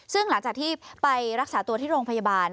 ซึ่งหลังจากที่ไปรักษาตัวที่โรงพยาบาล